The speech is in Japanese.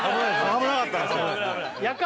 危なかったんすよ